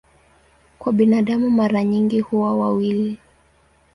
Kwa binadamu mara nyingi huwa wawili.